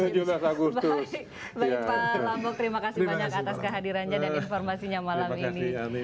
baik pak lambok terima kasih banyak atas kehadirannya dan informasinya malam ini